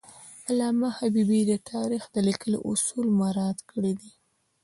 علامه حبیبي د تاریخ د لیکلو اصول مراعات کړي دي.